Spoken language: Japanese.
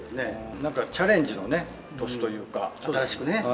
なんかチャレンジの年という新しくね。